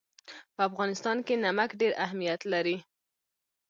په افغانستان کې نمک ډېر اهمیت لري.